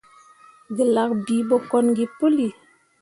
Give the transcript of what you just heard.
Gǝlak bii ɓo kon gi puli.